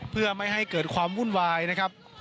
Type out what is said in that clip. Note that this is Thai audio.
เพื่อไม่ให้เกิดความวุ่นวายนะครับ